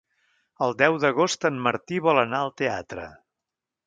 El deu d'agost en Martí vol anar al teatre.